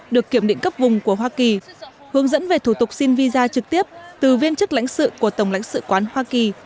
được kiểm định cấp vùng của hoa kỳ hướng dẫn về thủ tục xin visa trực tiếp từ viên chức lãnh sự của tổng lãnh sự quán hoa kỳ